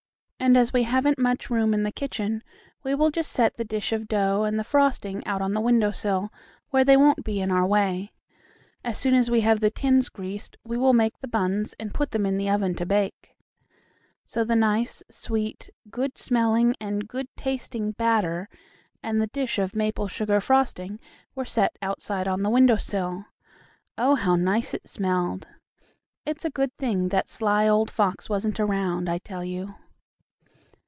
And, as we haven't much room in the kitchen, we will just set the dish of dough and the frosting out on the window sill, where they won't be in our way. As soon as we have the tins greased we will make the buns and put them in the oven to bake." So the nice, sweet, good smelling and good tasting batter and the dish of maple sugar frosting were set outside on the window sill. Oh, how nice it smelled. It's a good thing that sly old fox wasn't around, I tell you!